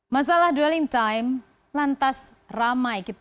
masalah dwelling time lantas ramai